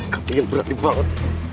kak fatin berani banget